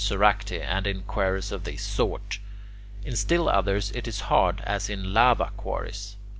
Soracte, and in quarries of this sort; in still others it is hard, as in lava quarries.